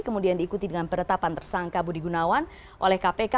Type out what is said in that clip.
kemudian diikuti dengan penetapan tersangka budi gunawan oleh kpk